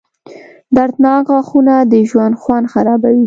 • دردناک غاښونه د ژوند خوند خرابوي.